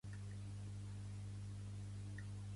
I quin problema li passa?